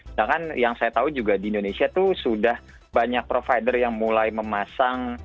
sedangkan yang saya tahu juga di indonesia tuh sudah banyak provider yang mulai memasang